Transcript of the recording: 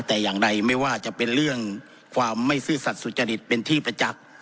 แต่อย่างใดไม่ว่าจะเป็นเรื่องความไม่ซื่อสัตว์สุจริตเป็นที่ประจักษ์